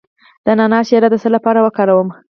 د نعناع شیره د څه لپاره وکاروم؟